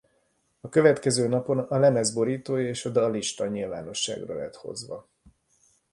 A következő napon a lemez borítója és a dallista nyilvánosságra lett hozva.